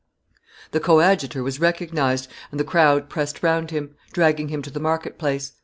354] The coadjutor was recognized, and the crowd pressed round him, dragging him to the market place.